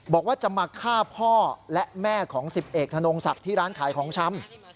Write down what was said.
บอกว่าจะมาฆ่าพ่อและแม่ของ๑๐เอกธนงศักดิ์ที่ร้านขายของชำ